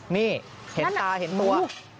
นี่เห็นตาเห็นมัว